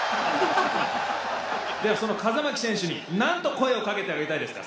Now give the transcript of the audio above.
ではその風巻選手に何と声をかけてあげたいですか？